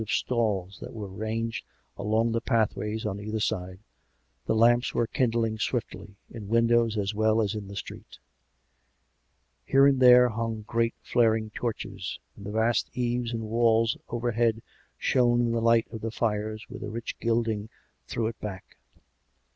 of stalls that were ranged along the pathways on either side, the lamps were kindling swiftly, in windows as well as in the street; here and there hung great flaring torches, and the vast eaves and walls overhead shone in the light of the fires where the rich gilding threw it back.